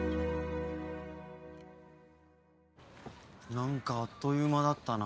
なんかあっという間だったな。